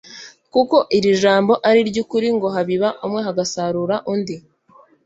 Kuko iri jambo ari iry’ukuri ngo ‘Habiba umwe, hagasarura undi.